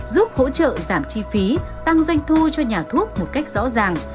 giúp hỗ trợ giảm chi phí tăng doanh thu cho nhà thuốc một cách rõ ràng